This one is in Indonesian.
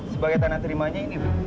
sebagai tanah terimanya ini